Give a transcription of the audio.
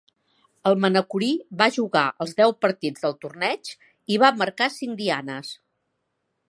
El manacorí va jugar els deu partits del torneig i va marcar cinc dianes.